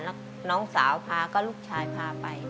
แล้วน้องสาวพาก็ลูกชายพาไป